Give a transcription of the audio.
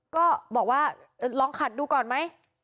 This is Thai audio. ก็บอกว่าลองขัดดูก่อนไหม